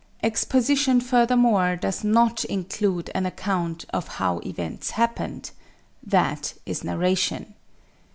Exposition furthermore does not include an account of how events happened that is narration.